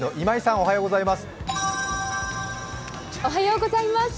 おはようございます。